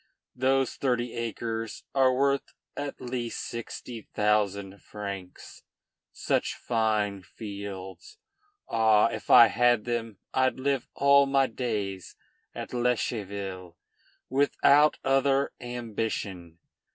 Those thirty acres are worth at least sixty thousand francs. Such fine fields! Ah! if I had them I'd live all my days at Lescheville, without other ambition!